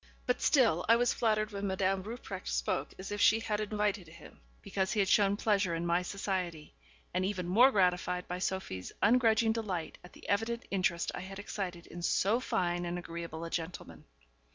But still I was flattered when Madame Rupprecht spoke as if she had invited him, because he had shown pleasure in my society, and even more gratified by Sophie's ungrudging delight at the evident interest I had excited in so fine and agreeable a gentleman.